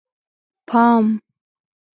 _پام!!!